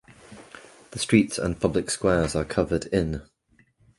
The streets and public squares are covered in.